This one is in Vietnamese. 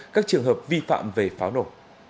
các trường hợp vi phạm về pháo nổ